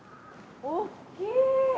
大きい。